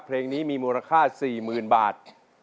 เพลงนี้มีมูลค่า๔๐๐๐บาท